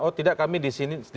oh tidak kami di sini